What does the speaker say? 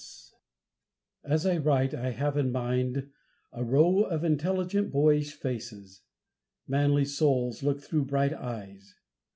40 As I write, I have in my mind a row of intelligent boyish faces. Manly souls look through bright eyes.